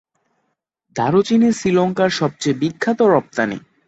দারুচিনি শ্রীলঙ্কার সবচেয়ে বিখ্যাত রপ্তানি।